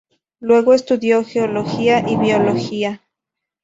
Luego estudió geología y biología.